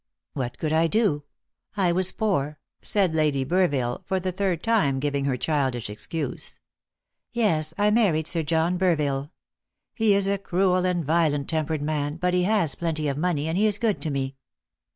"What could I do? I was poor," said Lady Burville, for the third time giving her childish excuse. "Yes, I married Sir John Burville. He is a cruel and violent tempered man, but he has plenty of money, and he is good to me."